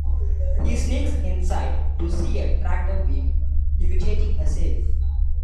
He sneaks inside to see a tractor beam levitating a safe.